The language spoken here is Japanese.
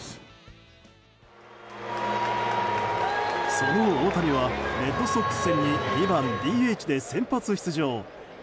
その大谷はレッドソックス戦に２番ＤＨで先発出場。